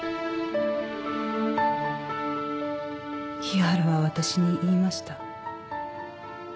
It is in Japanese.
日原は私に言いました。